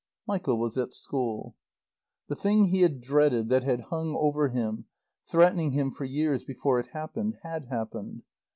Michael was at school. The thing he had dreaded, that had hung over him, threatening him for years before it happened, had happened.